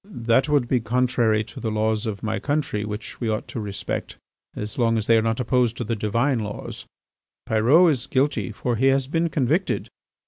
"That would be contrary to the laws of my country which we ought to respect as long as they are not opposed to the Divine laws. Pyrot is guilty, for he has been convicted.